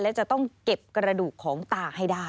และจะต้องเก็บกระดูกของตาให้ได้